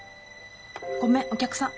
ごめんお客さん。